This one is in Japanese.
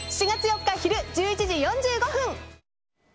４月４日昼、１１時４５分。